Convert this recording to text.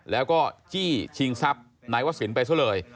แล้วก็จี้ชิงทรัพย์นายวศิลป์ไปซะเลย